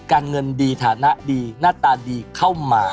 การเงินดีฐานะดีหน้าตาดีเข้ามา